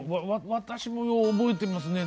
私もよう覚えてますね。